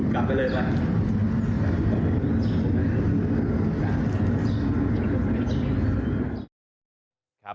กลับไปเลยป่ะ